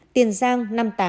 tiền giang năm mươi tám